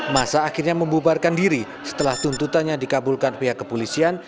masa akhirnya membubarkan diri setelah tuntutannya dikabulkan pihak kepolisian